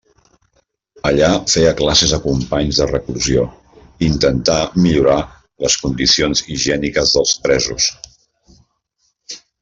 Allà feia classes a companys de reclusió i intentà millorar les condicions higièniques dels presos.